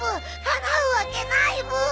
かなうわけないブー。